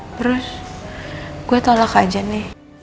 terus gua tolak aja nen